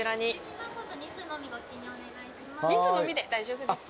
人数のみで大丈夫です。